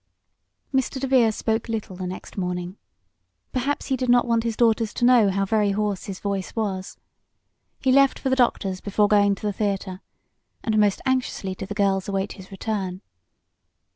Mr. DeVere spoke little the next morning. Perhaps he did not want his daughters to know how very hoarse his voice was. He left for the doctor's before going to the theater, and most anxiously did the girls await his return.